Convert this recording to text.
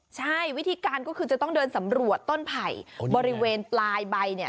ใช่วิธีการก็คือจะต้องเดินสำรวจต้นไผ่บริเวณปลายใบเนี่ย